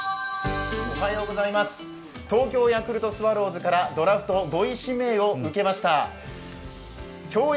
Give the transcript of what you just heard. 東京ヤクルトスワローズからドラフト５位指名を受けました享栄